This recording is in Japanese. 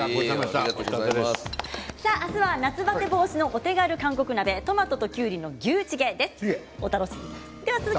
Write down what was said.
明日は夏バテ防止のお手軽韓国鍋トマトときゅうりの牛チゲです。